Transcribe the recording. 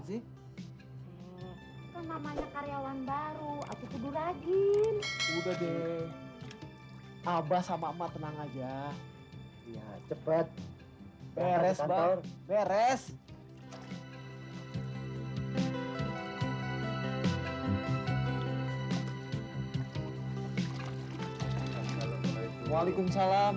tapi dari mana uang ini bapak dapatkan